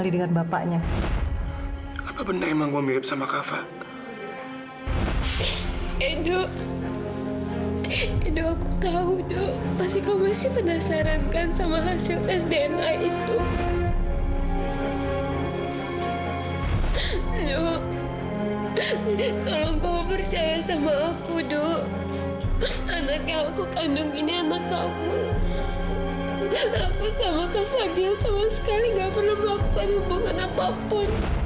tuhan yang tahu tuhan tahu kebenarannya do